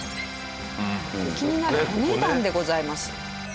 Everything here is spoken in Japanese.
気になるお値段でございます。